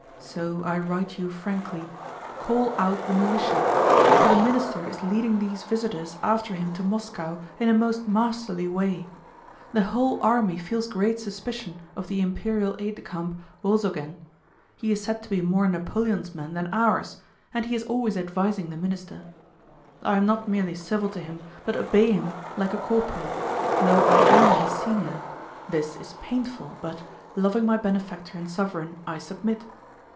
So I write you frankly: call out the militia. For the Minister is leading these visitors after him to Moscow in a most masterly way. The whole army feels great suspicion of the Imperial aide de camp Wolzogen. He is said to be more Napoleon's man than ours, and he is always advising the Minister. I am not merely civil to him but obey him like a corporal, though I am his senior. This is painful, but, loving my benefactor and sovereign, I submit.